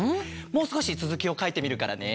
もうすこしつづきをかいてみるからね。